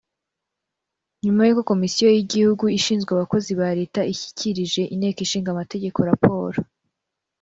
Nyuma y uko Komisiyo y Igihugu ishinzwe Abakozi ba Leta ishyikirije Inteko ishinga Amategeko raporo